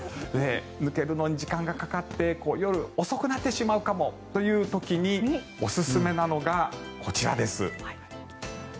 抜けるのに時間がかかって夜遅くなってしまうかもという時におすすめなのがこちらです。